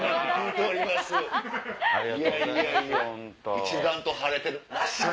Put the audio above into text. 一段と晴れてる。